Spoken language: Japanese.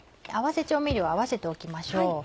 合わせ調味料を合わせておきましょう。